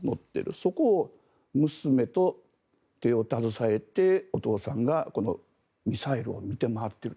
そこを娘と手を携えてお父さんがこのミサイルを見て回っていると。